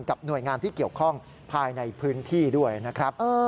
หน่วยงานที่เกี่ยวข้องภายในพื้นที่ด้วยนะครับ